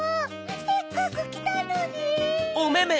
せっかくきたのに！